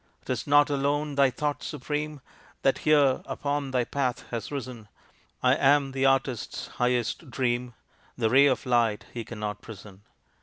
"'Tis not alone thy thought supreme That here upon thy path has risen; I am the artist's highest dream, The ray of light he cannot prison.